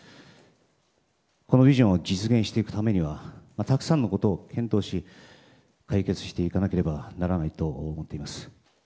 このビジョンを実現していくためにはたくさんのことを検討し解決していかなければならないと思っています。